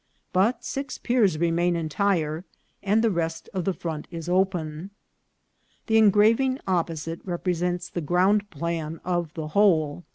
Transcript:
But six piers remain entire, and the rest of the front is open. The engraving opposite represents the ground plan of the whole.